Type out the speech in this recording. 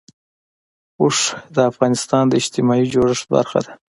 اوښ د افغانستان د اجتماعي جوړښت برخه ده.